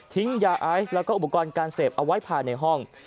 ทิ้งยาไอซ์และอุปกรณ์การเสพเอาไว้ผ่านในห้อง